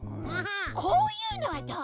こういうのはどう？